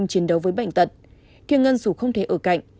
chiến đấu với bệnh tật thiên ngân dù không thể ở cạnh